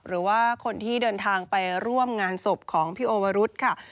หรือว่าคนที่เดินทางไปร่วมงานศพของพี่โอวรุธค่ะ